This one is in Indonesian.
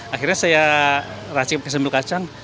akhirnya saya racik ke sambal kacang